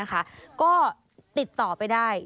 ก็ติดต่อไปได้